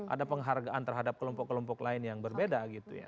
ada penghargaan terhadap kelompok kelompok lain yang berbeda gitu ya